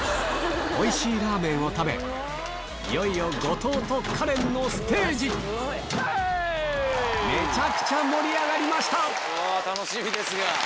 おいしいラーメンを食べいよいよ後藤とカレンのステージめちゃくちゃ盛り上がりました！